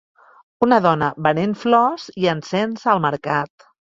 Una dona venent flors i encens al mercat.